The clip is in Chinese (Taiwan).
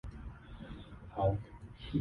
社會學的基本概念